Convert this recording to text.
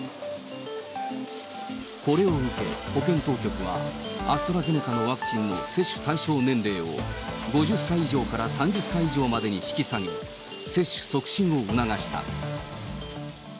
これを受け、保健当局はアストラゼネカのワクチンの接種対象年齢を、５０歳以上から３０歳以上までに引き下げ、接種促進を促した。